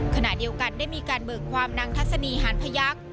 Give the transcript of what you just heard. ขณะเดียวกันได้มีการเบิกความนางทัศนีหานพยักษ์